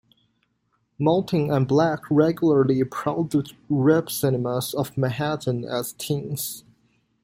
Maltin and Black regularly prowled the rep cinemas of Manhattan as teens.